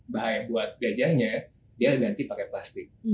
bahaya buat gajahnya dia ganti pakai plastik